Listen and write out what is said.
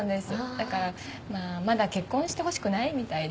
だからまぁまだ結婚してほしくないみたいで。